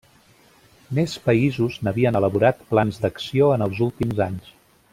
Més països n'havien elaborat plans d'acció en els últims anys.